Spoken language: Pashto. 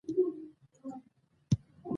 مېز د ملګرو تر منځ یادګاري دی.